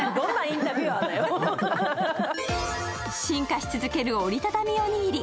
進化し続ける折りたたみおにぎり。